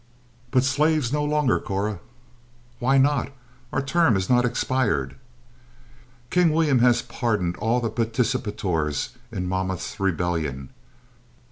"But slaves no longer, Cora." "Why not? Our term has not expired." "King William has pardoned all the participators in Monmouth's rebellion."